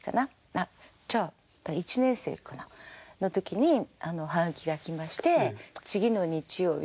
あっじゃあ１年生かな。の時に葉書が来まして次の日曜日。